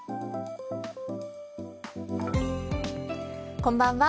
こんばんは。